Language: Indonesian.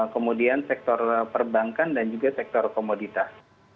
kemudian sektor perbankan dan juga sektor komoditas